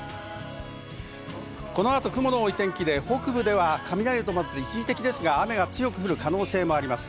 この後、雲の多い天気で北部では雷を伴って、一時的ですが雨が強く降る可能性もあります。